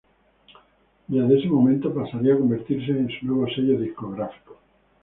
Desde ese momento pasaría a convertirse en su nuevo sello discográfico.